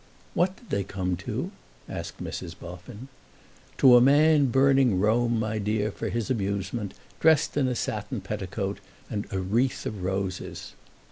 "What did they come to?" asked Mrs. Boffin. "To a man burning Rome, my dear, for his amusement, dressed in a satin petticoat and a wreath of roses."